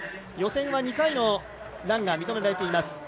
予選は２回のランが認められています。